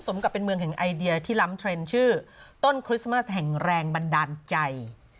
กับเป็นเมืองแห่งไอเดียที่ล้ำเทรนด์ชื่อต้นคริสต์มัสแห่งแรงบันดาลใจ